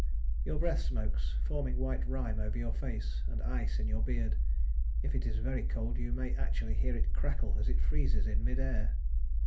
Your breath smokes, forming white rime over your face, and ice in your beard; if it is very cold you may actually hear it crackle as it freezes in mid air!